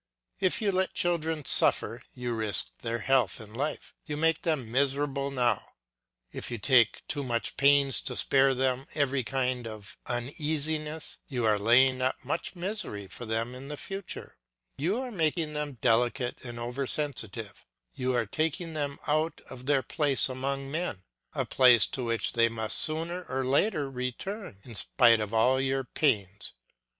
If you let children suffer you risk their health and life; you make them miserable now; if you take too much pains to spare them every kind of uneasiness you are laying up much misery for them in the future; you are making them delicate and over sensitive; you are taking them out of their place among men, a place to which they must sooner or later return, in spite of all your pains.